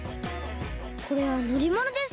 これはのりものですね。